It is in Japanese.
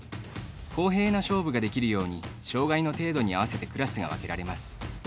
公平な勝負ができるように障がいの程度に合わせてクラスが分けられます。